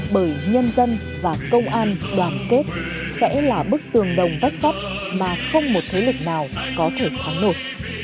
bởi nhân dân và công an đoàn kết sẽ là bức tường đồng vách sắt mà không một thế lực nào có thể thắng nổi